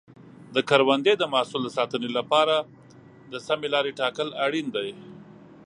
د کروندې د محصول د ساتنې لپاره د سمې لارې ټاکل اړین دي.